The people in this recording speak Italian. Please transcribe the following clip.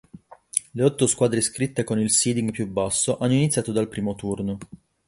Le otto squadre iscritte con il "seeding" più basso hanno iniziato dal primo turno.